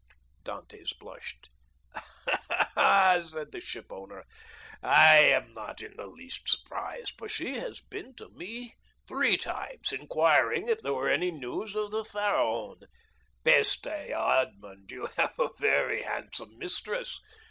Dantès blushed. "Ah, ha," said the shipowner, "I am not in the least surprised, for she has been to me three times, inquiring if there were any news of the Pharaon. Peste! Edmond, you have a very handsome mistress!"